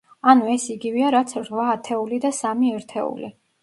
ანუ, ეს იგივეა, რაც რვა ათეული და სამი ერთეული.